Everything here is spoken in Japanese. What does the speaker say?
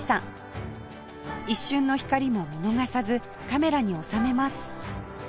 一瞬の光も見逃さずカメラに収めます